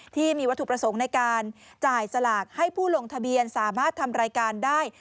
ที่มีวัตถุประสงค์ในการจ่ายสลากให้ผู้ลงทะเบียนสามารถทำรายการได้